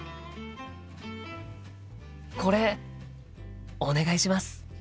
これお願いします。